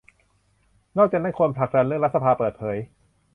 นอกจากนั้นควรผลักดันเรื่องรัฐสภาเปิดเผย